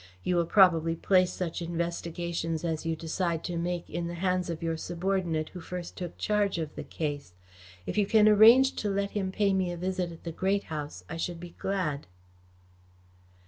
You will probably place such investigations as you decide to make in the hands of your subordinate who first took charge of the case. If you can arrange to let him pay me a visit at the Great House, I should be glad."